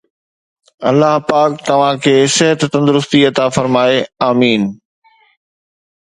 الله پاڪ توهان کي صحت ۽ تندرستي عطا فرمائي، آمين